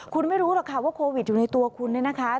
คุณไม่รู้หรอกค่ะว่าโควิดอยู่ในตัวคุณเนี่ยนะคะ